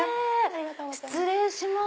失礼します。